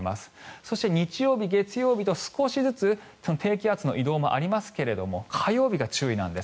そして、日曜日、月曜日と少しずつ低気圧の移動もありますが火曜日が注意なんです。